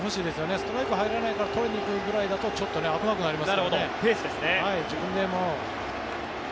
ストライク取れないから取りに行くぐらいだと危なくなりますからね。